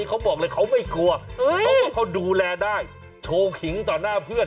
เขาบอกเลยเขาไม่กลัวเพราะว่าเขาดูแลได้โชว์ขิงต่อหน้าเพื่อน